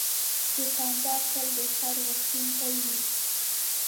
دوکاندار تل د خیر غوښتونکی وي.